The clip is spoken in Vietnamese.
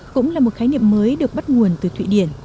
cũng là một khái niệm mới được bắt nguồn từ thụy điển